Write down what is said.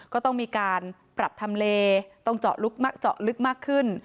ก็ต้องมีการปรับทำเลต้องเจาะลึกเจาะลึกมากขึ้น